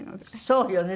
そうよね。